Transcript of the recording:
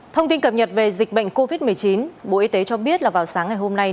thông tin cập nhật về dịch bệnh covid một mươi chín bộ y tế cho biết là vào sáng ngày hôm nay